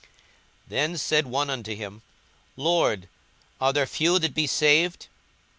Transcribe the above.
42:013:023 Then said one unto him, Lord, are there few that be saved?